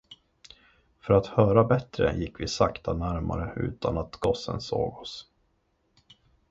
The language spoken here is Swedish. Och för att höra bättre gick vi sakta närmare utan att gossen såg oss.